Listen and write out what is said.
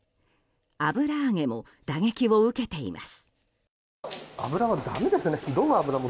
油揚げも打撃を受けています。